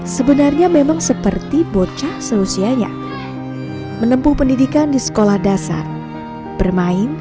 sebenarnya memang seperti bocah seusianya menempuh pendidikan di sekolah dasar bermain